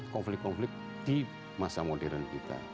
konflik konflik di masa modern kita